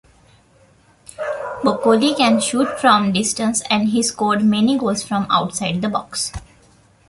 Boccoli can shoot from distance, and he scored many goals from outside the box.